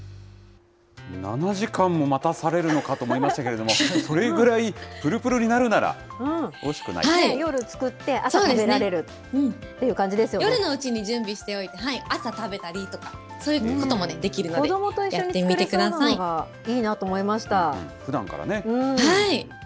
７時間も待たされるのかと思いましたけれども、それぐらい、夜作って、朝食べられるって夜のうちに準備しておいて、朝食べたりとか、そういうこともできるので、子どもと一緒に作れそうなのふだんからね。